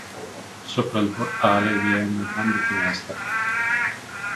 Sopra il portale vi è una grande finestra.